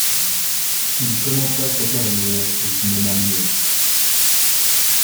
Il commença sa carrière au cinéma muet.